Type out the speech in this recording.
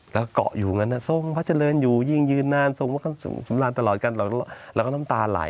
แล้วเกาะอยู่นั้นคือทรงว่าสมรานตลอดการสมรานตลอดการสมรานจะหลาย